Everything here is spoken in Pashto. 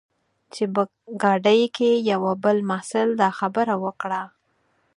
چې په ګاډۍ کې یوه بل محصل دا خبره وکړه.